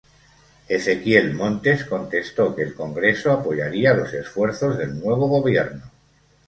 Ezequiel Montes contestó que el Congreso apoyaría los esfuerzos del nuevo gobierno.